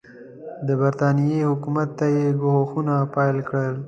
د برټانیې حکومت ته یې ګواښونه پیل کړل.